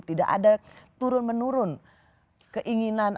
tidak ada turun menurun keinginan